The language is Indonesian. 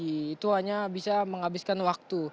itu hanya bisa menghabiskan waktu